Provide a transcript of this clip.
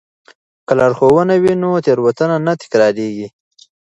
که لارښوونه وي نو تېروتنه نه تکراریږي.